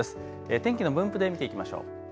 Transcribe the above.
天気の分布で見ていきましょう。